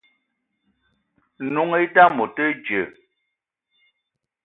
N'noung i dame o te dji.